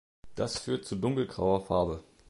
Das führt zu dunkelgrauer Farbe.